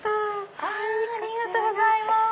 ありがとうございます。